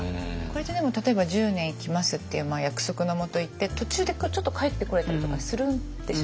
これってでも例えば１０年行きますっていう約束のもと行って途中でちょっと帰ってこれたりとかするんでしょうか？